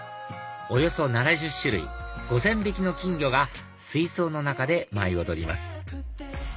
およそ７０種類５０００匹の金魚が水槽の中で舞い踊ります